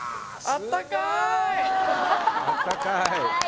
あったかい